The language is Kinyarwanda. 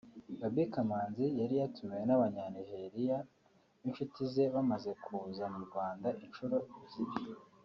Gaby Kamanzi yari yatumiwe n’abanya Nigeria b’inshuti ze bamaze kuza mu Rwanda inshuro ebyiri